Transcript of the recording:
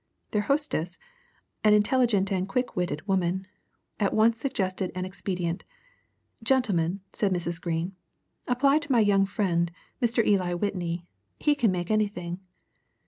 Their hostess, an intelligent and quick witted woman, at once suggested an expedient. "Gentlemen," said Mrs. Greene, "apply to my young friend, Mr. Eli Whitney; he can make anything."